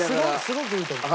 すごくいいと思う。